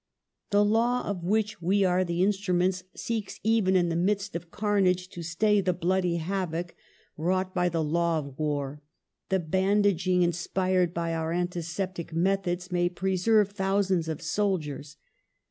The law of which we are the in struments seeks, even in the midst of carnage, to stay the bloody havoc wrought by the law of war. The bandaging inspired by our antiseptic methods may preserve thousands of soldiers.